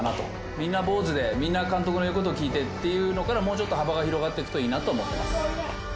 みんな坊主で、みんな監督の言うことの聞いてっていうのから、もうちょっと幅が広がっていくといいなと思ってます。